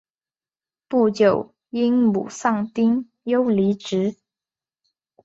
不久因母丧丁忧离职。